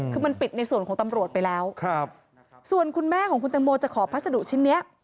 คือมันปิดในส่วนของตำรวจไปแล้วครับส่วนคุณแม่ของคุณตังโมจะขอพัสดุชิ้นเนี้ย